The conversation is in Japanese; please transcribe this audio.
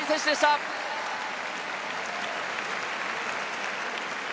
梶谷選手でした。